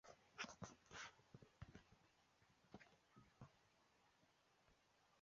塞尔维乌斯平生最为重要的工作就是对维吉尔所着作的三部史诗杰作添加注释而闻名。